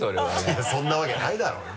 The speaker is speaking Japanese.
いやそんなわけないだろうよ。